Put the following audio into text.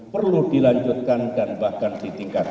perlu dilanjutkan dan bahkan ditingkatkan